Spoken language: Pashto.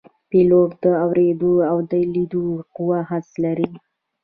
پیلوټ د اوریدو او لیدو قوي حس لري.